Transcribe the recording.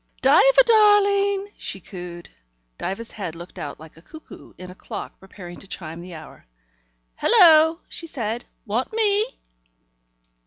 "Diva darling!" she cooed. Diva's head looked out like a cuckoo in a clock preparing to chime the hour. "Hullo!" she said. "Want me?"